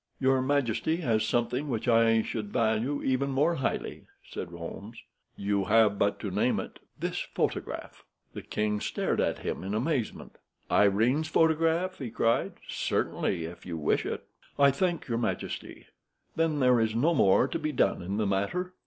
"Your majesty has something which I should value even more highly," said Holmes. "You have but to name it." "This photograph!" The king stared at him in amazement. "Irene's photograph!" he cried. "Certainly, if you wish it." "I thank your majesty. Then there is no more to be done in the matter.